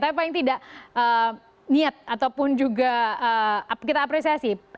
tapi paling tidak niat ataupun juga kita apresiasi